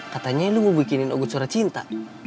katanya lu mau bikinin ugut surat cinta